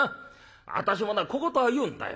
私もな小言は言うんだよ。